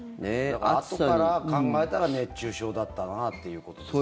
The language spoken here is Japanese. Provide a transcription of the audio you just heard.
あとから考えたら熱中症だったなっていうことですよね。